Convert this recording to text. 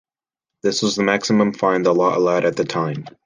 This was the maximum fine the law allowed at the time.